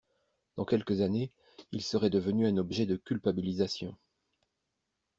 Dans quelques années, il serait devenu un objet de culpabilisation.